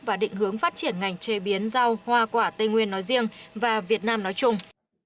và định hướng phát triển ngành chế biến rau hoa quả tây nguyên nói riêng và việt nam nói chung